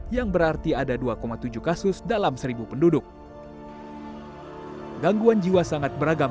yang berarti ada dua tujuh kasus dalam sejarah